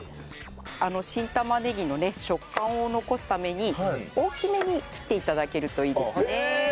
新玉ねぎの食感を残すために大きめに切って頂けるといいですね。